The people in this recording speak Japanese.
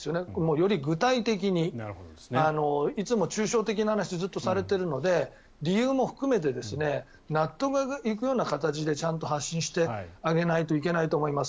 より具体的にいつも抽象的な話をずっとされているので理由も含めて納得いくような形でちゃんと発信してあげないといけないと思います。